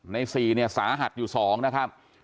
ใน๔สาหัสอยู่๒นะครับ